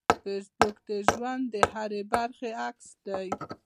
فېسبوک د ژوند د هرې برخې عکس دی